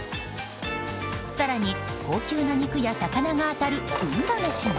更に、高級な肉や魚が当たる運試しも。